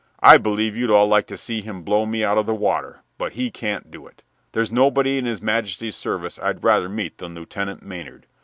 I believe you'd all like to see him blow me out of the water, but he can't do it. There's nobody in His Majesty's service I'd rather meet than Lieutenant Maynard.